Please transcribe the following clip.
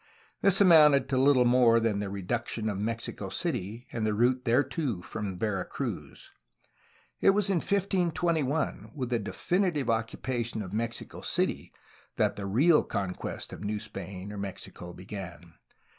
'' This amounted to httle more than the reduction of Mexico City and the route there to from Vera Cruz. It was in 1521, with the definitive occu pation of Mexico City, that the real conquest of New Spain, or Mexico, began.